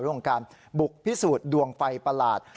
เรื่องของการบุกพิสูจน์ดวงไฟประหลาด